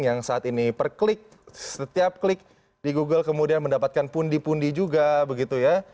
yang saat ini per klik setiap klik di google kemudian mendapatkan pundi pundi juga begitu ya